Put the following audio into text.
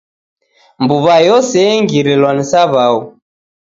Mbuw'a yose engirilwa ni saw'au.